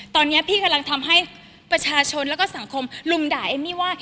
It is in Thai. ตอนนี้พี่กำลังทำให้ประชาชนแล้วก็สังคมลุมด่าเอมมี่ว่า